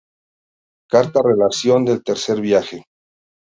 Carta-relación del Tercer Viaje.